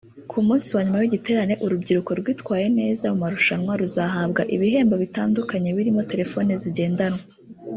Ku munsi wa nyuma w’igiterane urubyiruko rwitwaye neza mu marushanwa ruzahabwa ibihembo bitandukanye birimo telefoni zigendanwa